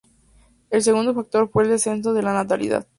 El segundo factor fue el descenso de la natalidad.